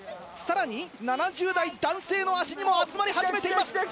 さらに７０代男性の足にも集まり始めています。